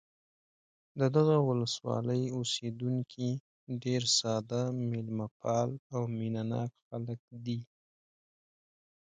د دغه ولسوالۍ اوسېدونکي ډېر ساده، مېلمه پال او مینه ناک خلک دي.